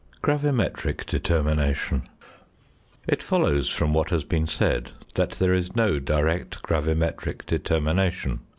GRAVIMETRIC DETERMINATION. It follows from what has been said that there is no direct gravimetric determination.